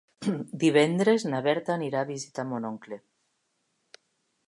Divendres na Berta anirà a visitar mon oncle.